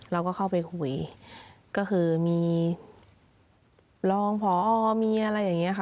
เราก็เข้าไปคุยก็คือมีรองพอมีอะไรอย่างนี้ค่ะ